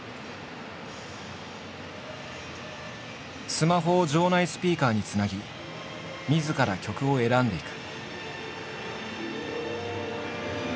スマホを場内スピーカーにつなぎみずから曲を選んでいく。